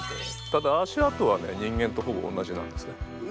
ただ足跡はね人間とほぼおんなじなんですね。